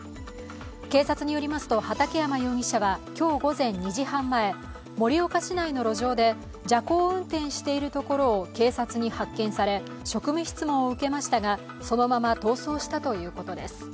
警察によりますと、畠山容疑者は今日午前２時半前、盛岡市内の路上で蛇行運転しているところを警察に発見され、職務質問されそのまま逃走したということです。